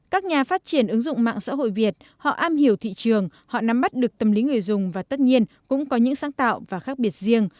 các nhà phát triển ứng dụng mạng xã hội việt họ am hiểu thị trường họ nắm bắt được tâm lý người dùng và tất nhiên cũng có những sáng tạo và khác biệt riêng